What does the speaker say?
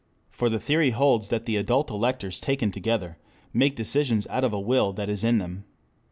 For the theory holds that the adult electors taken together make decisions out of a will that is in them.